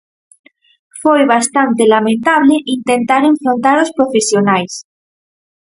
Foi bastante lamentable intentar enfrontar os profesionais.